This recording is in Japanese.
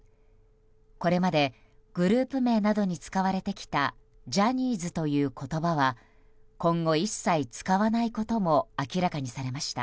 これまでグループ名などに使われてきたジャニーズという言葉は今後一切使わないことも明らかにされました。